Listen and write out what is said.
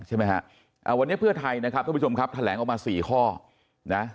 ใช่ไหมฮะอ่าวันนี้เพื่อไทยนะครับทุกผู้ชมครับแถลงออกมาสี่ข้อนะ